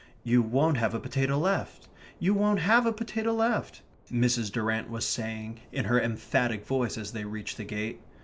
"You won't have a potato left you won't have a potato left," Mrs. Durrant was saying in her emphatic voice as they reached the gate.